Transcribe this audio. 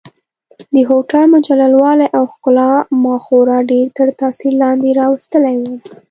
د هوټل مجلل والي او ښکلا ما خورا ډېر تر تاثیر لاندې راوستلی وم.